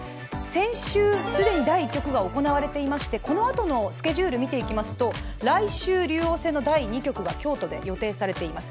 先週、既に第１局が行われていましてこのあとのスケジュールを見ていきますと、来週竜王戦の第２局が京都で予定されています。